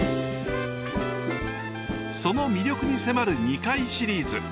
その魅力に迫る２回シリーズ。